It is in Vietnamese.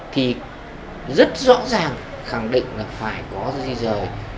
thì rất rõ ràng khẳng định là phải có di rời